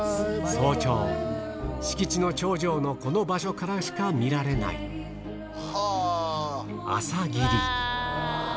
早朝敷地の頂上のこの場所からしか見られない朝霧